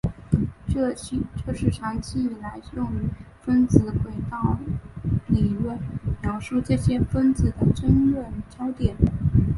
这是长期以来用分子轨道理论描述这些分子的争论焦点。